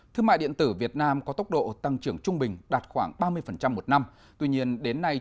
thương mại điện tử việt nam có tốc độ tăng trưởng trung bình đạt khoảng ba mươi một năm tuy nhiên đến nay